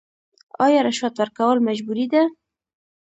آیا رشوت ورکول مجبوري ده؟